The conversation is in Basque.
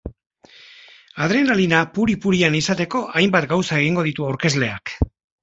Adrenalina puri-purian izateko hainbat gauza egingo ditu aurkezleak.